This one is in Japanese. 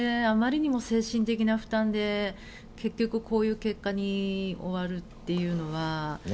あまりにも精神的な負担で結局、こういう結果に終わるというのは。